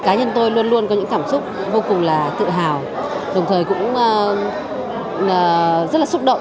cá nhân tôi luôn luôn có những cảm xúc vô cùng là tự hào đồng thời cũng rất là xúc động